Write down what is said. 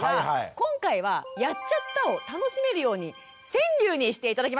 今回は「やっちゃった！」を楽しめるように川柳にして頂きました。